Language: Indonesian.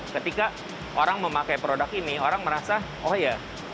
ketika orang memakai produk ini orang merasa oh ya